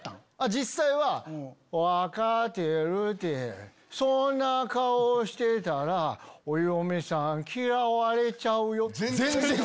実際は「分ぁかぁてるてそぉんな顔してたらお嫁さぁん嫌われちゃうよ」。